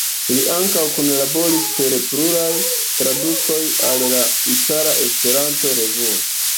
Li ankaŭ kunlaboris per pluraj tradukoj al la "Itala Esperanto-Revuo".